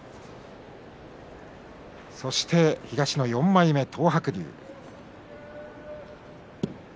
そして、東の４枚目、東白龍。